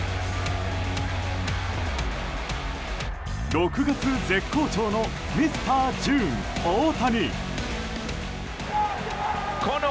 ６月絶好調のミスター・ジューン、大谷。